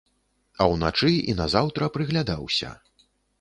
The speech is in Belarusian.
А ўначы і назаўтра прыглядаўся.